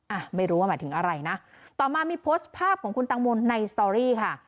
อ่ะไม่รู้ว่าหมายถึงอะไรนะต่อมามีโพสต์ภาพของคุณตังโมในสตอรี่ค่ะ